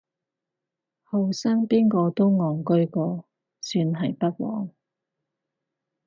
後生邊個都戇居過，算係不枉